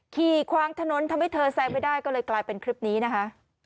ควางถนนทำให้เธอแซงไม่ได้ก็เลยกลายเป็นคลิปนี้นะคะ